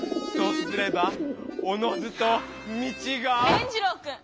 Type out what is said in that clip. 伝じろうくん！